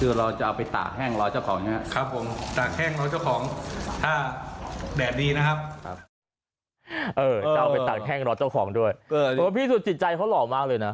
เออเจ้าเอาไปตากแห้งรอเจ้าของด้วยพี่สูจิใจเขาหล่อมากเลยนะ